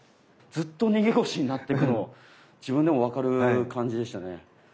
ずっと逃げ腰になってるの自分でも分かる感じでしたね。